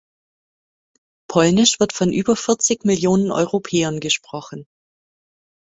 Polnisch wird von über vierzig Millionen Europäern gesprochen.